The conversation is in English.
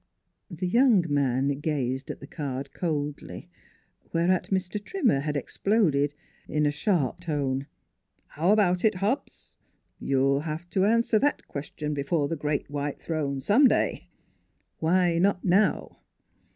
" The young man gazed at the card coldly; whereat Mr. Trimmer had exploded in a sharp: " How about it, Hobbs ? You'll have to answer that question before the great white throne, some day. Why not now?